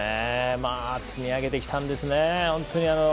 積み上げてきたんですね。